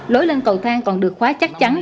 lối lên cầu thang còn được khóa chắc chắn